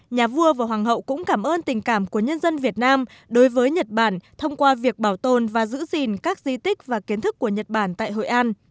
nhà vua và hoàng hậu cũng cảm ơn tình cảm của nhân dân việt nam đối với nhật bản thông qua việc bảo tồn và giữ gìn các di tích và kiến thức của nhật bản tại hội an